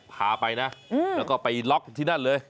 พาไปนะแล้วก็ไปล็อกที่นั่นเลย